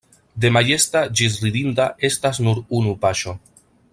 De majesta ĝis ridinda estas nur unu paŝo.